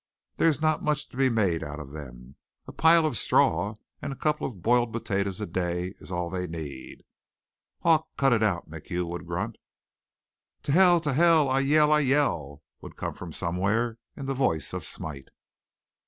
"There's not much to be made out of them. A pile of straw and a couple of boiled potatoes a day is all they need." "Aw, cut it out," MacHugh would grunt. "To hell, to hell, I yell, I yell," would come from somewhere in the voice of Smite.